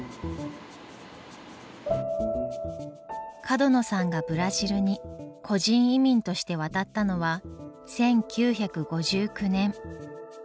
角野さんがブラジルに個人移民として渡ったのは１９５９年。